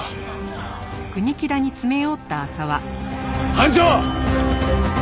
班長！